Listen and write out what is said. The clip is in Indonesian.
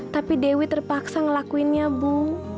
tapi dewi terpaksa ngelakuinnya bu